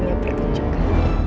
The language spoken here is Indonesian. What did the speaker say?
aku mau pertunjukkan